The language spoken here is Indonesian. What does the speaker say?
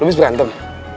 lu bisa berantem